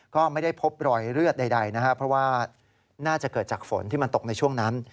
ก็ไม่ได้พบรอยเลือดใดนะครับเพราะว่าน่าจะเกิดจากฝนที่มันตกในช่วงนั้น